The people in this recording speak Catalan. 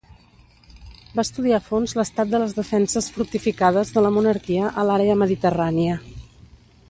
Va estudiar a fons l'estat de les defenses fortificades de la monarquia a l'àrea mediterrània.